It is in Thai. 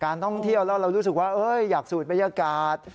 ท่องเที่ยวแล้วเรารู้สึกว่าอยากสูดบรรยากาศ